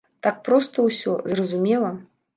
Так проста ўсё, зразумела.